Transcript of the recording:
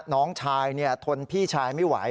น้องชายทนพี่ชายไม่ไหว